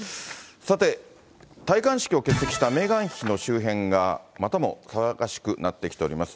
さて、戴冠式を欠席したメーガン妃の周辺がまたも騒がしくなってきております。